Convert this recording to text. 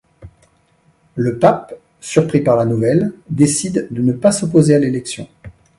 Le pape, surpris par la nouvelle, décide de ne pas s'opposer à l'élection.